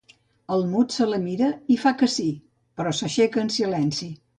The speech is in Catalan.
El Mud se la mira i fa que sí, però s'aixeca en silenci.